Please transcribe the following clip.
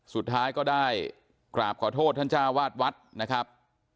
สุดท้ายก็ได้กราบขอโทษท่านจ้าวาดวัดนะครับ